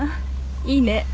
いいね。